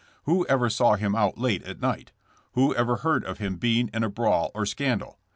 Who ever saw him out late at night? "Who ever heard of him being in a brawl or scandal?